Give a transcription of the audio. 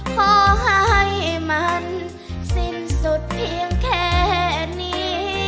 ขอให้มันสิ้นสุดเพียงแค่นี้